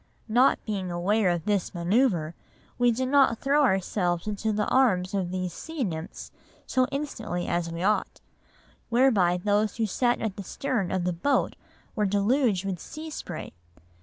Not being aware of this manœuvre, we did not throw ourselves into the arms of these sea nymphs so instantly as we ought, whereby those who sat at the stern of the boat were deluged with sea spray.